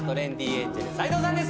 エンジェル斎藤さんです